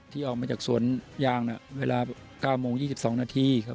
ที่ออกมาจากสวนยางเวลา๙โมง๒๒นาทีครับ